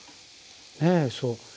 ええそう。